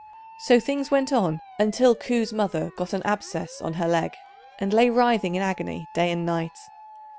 So things went on until Ku's mother got an abscess on her leg, and lay writhing in agony day and night.